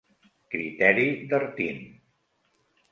Criteri d'Artin.